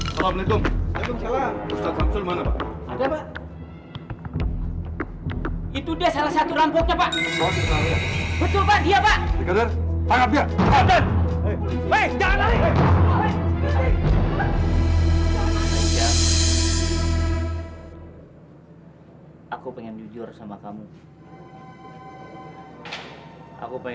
terima kasih pak ustadz